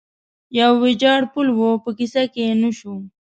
یو ویجاړ پل و، په کیسه کې یې نه شو.